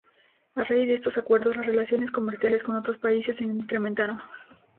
A raíz de estos acuerdos, las relaciones comerciales con otros países se incrementaron.